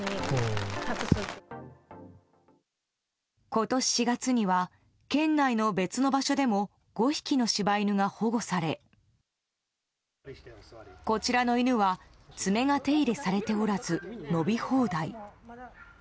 今年４月には県内の別の場所でも５匹の柴犬が保護されこちらの犬は爪が手入れされておらず伸び放題。